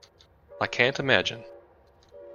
I can't imagine.